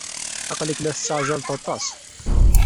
Aql-ik la tettaɛjaleḍ aṭas.